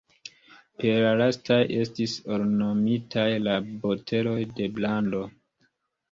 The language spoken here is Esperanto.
Per la lastaj estis ornamitaj la boteloj de brando.